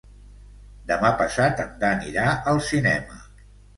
Demà passat en Dan irà al cinema.